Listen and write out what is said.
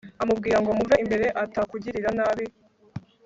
amubwira ngo muve imbere atakugirira nabi